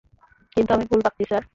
কিন্তু আমি ভুল ভাবছি স্যার।